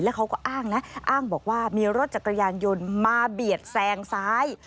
เขาก็อ้างนะอ้างบอกว่ามีรถจักรยานยนต์มาเบียดแซงซ้าย